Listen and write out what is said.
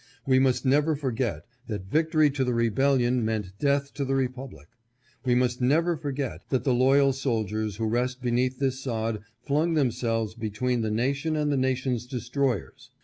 We must never forget that victory to the rebellion meant death to the republic. We must never forget that the loyal soldiers who rest beneath this sod flung themselves between the nation and the nation's destroyers.